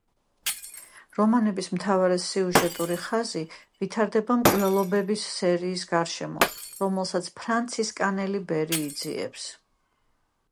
რომანის მთავარი სიუჟეტური ხაზი ვითარდება მკვლელობების სერიის გარშემო, რომელსაც ფრანცისკანელი ბერი იძიებს.